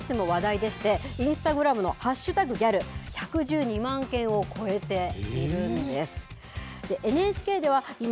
このギャルブーム、ＳＮＳでも話題でして、インスタグラムの＃ギャル、１１２万件を超えているんです。